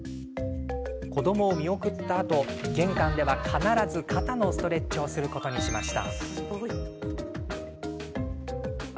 子どもを見送ったあと玄関では必ず肩のストレッチをすることにしました。